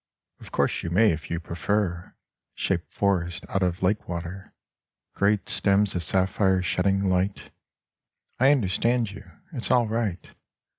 Of course you may if you prefer Shape forests out of lake water, Great stems of sapphire, shedding light! I understand you. It's all right.